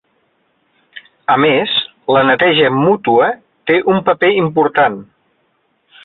A més, la neteja mútua té un paper important.